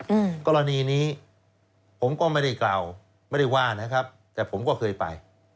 อืมกรณีนี้ผมก็ไม่ได้กล่าวไม่ได้ว่านะครับแต่ผมก็เคยไป